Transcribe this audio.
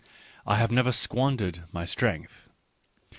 I have never squandered my strength.